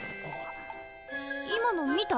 今の見た？